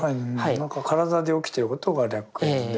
何か体で起きてることが歴縁で。